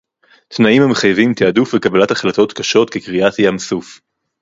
תנאים המחייבים תעדוף וקבלת החלטות קשות כקריעת ים-סוף